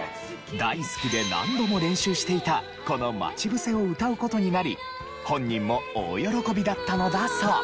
大好きで何度も練習していたこの『まちぶせ』を歌う事になり本人も大喜びだったのだそう。